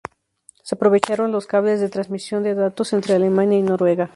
Se aprovecharon los cables de transmisión de datos entre Alemania y Noruega.